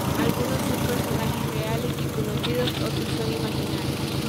Algunos son personajes reales y conocidos otros son imaginarios.